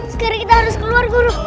sekarang kita harus keluar guru